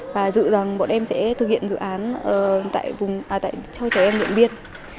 và dự dàng bọn em sẽ thực hiện dự án cho trẻ em nhận biết